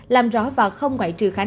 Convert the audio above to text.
làm rõ vào không ngoại trừ khả năng